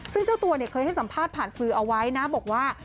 ซึ่งเจ้าตัวเนี่ยเคยให้สัมภาษณ์ผ่านสื่อเอาไว้นะบอกว่า